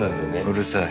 うるさい。